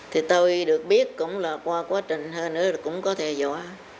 thì tôi được biết là qua quá trình hơn nữa cũng có theo dõi